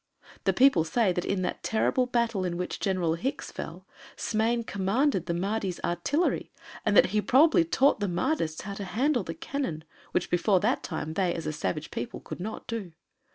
The people say that in that terrible battle in which General Hicks fell, Smain commanded the Mahdi's artillery and that he probably taught the Mahdists how to handle the cannon, which before that time they, as savage people, could not do.